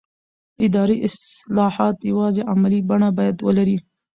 اداري اصلاحات یوازې عملي بڼه باید ولري